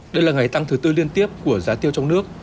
đây là ngày tăng thứ tư liên tiếp của giá tiêu trong nước